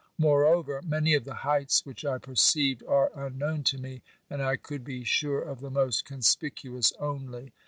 Moreover, many of the heights which I perceived are un known to me, and I could be sure of the most conspicuous only.